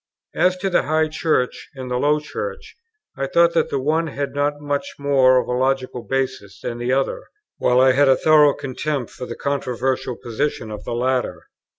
As to the high Church and the low Church, I thought that the one had not much more of a logical basis than the other; while I had a thorough contempt for the controversial position of the latter.